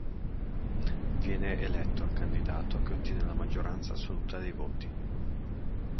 Viene eletto il candidato che ottiene la maggioranza assoluta dei voti.